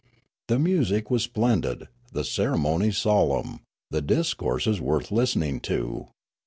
The music was splendid, the ceremonies solemn, the dis courses worth listening to.